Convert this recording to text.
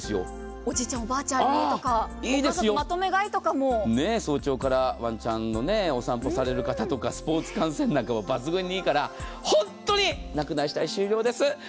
おじいちゃんおばあちゃんにとか早朝からワンちゃんのお散歩される方とかスポーツ観戦なんかも抜群にいいから本当になくなり次第終了です。